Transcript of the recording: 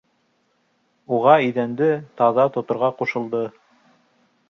Уға иҙәнде таҙа тоторға ҡушылды.